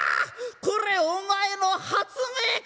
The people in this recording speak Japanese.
これお前の発明か？」。